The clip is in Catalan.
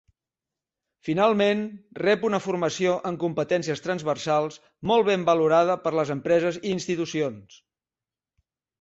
Finalment, rep una formació en competències transversals molt ben valorada per les empreses i institucions.